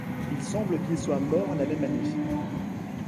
Il semble qu'il soit mort la même année.